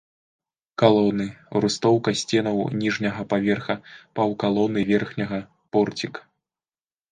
Калоны, рустоўка сценаў ніжняга паверха, паўкалоны верхняга, порцік.